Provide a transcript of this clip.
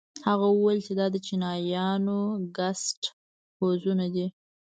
هغه وويل چې دا د چينايانو ګسټ هوزونه دي.